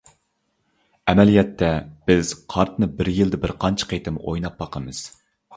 ئەمەلىيەتتە، بىز قارتىنى بىر يىلدا بىرقانچە قېتىم ئويناپ باقىمىز.